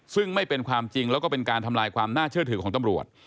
ซึ่งไม่เป็นความจริงแล้วก็เป็นการทำลายความน่าเชื่อถือของตำรวจ